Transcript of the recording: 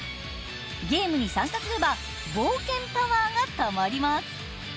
ゲームに参加すれば冒険パワーがたまります。